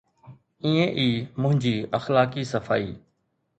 ائين ئي منهنجي اخلاقي صفائي.